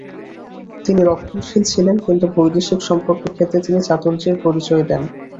তিনি রক্ষণশীল ছিলেন, কিন্তু বৈদেশিক সম্পর্কের ক্ষেত্রে তিনি চাতুর্যের পরিচয় দেন।